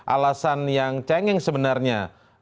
alasan yang cengeng sebenarnya